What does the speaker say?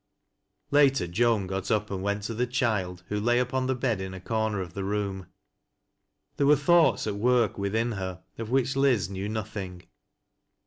Later Joan got up and went to the child, who lay upou the bed in a corner of the room There were thoughts at work within her of which Liz knew nothing.